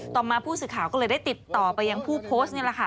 ต่อมาผู้สื่อข่าวก็เลยได้ติดต่อไปยังผู้โพสต์นี่แหละค่ะ